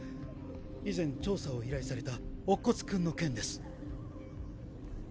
以前調査を依頼された乙骨君の件です。